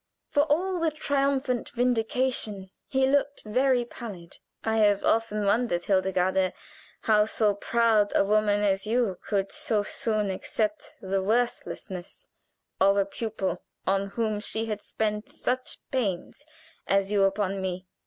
For all the triumphant vindication, he looked very pallid. "I have often wondered, Hildegarde, how so proud a woman as you could so soon accept the worthlessness of a pupil on whom she had spent such pains as you upon me.